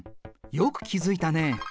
よく気付いたね。